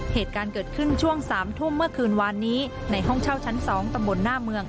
เหตุการณ์เกิดขึ้นช่วง๓ทุ่มเมื่อคืนวานนี้ในห้องเช่าชั้น๒ตำบลหน้าเมือง